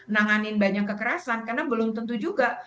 nanganin banyak kekerasan karena belum tentu juga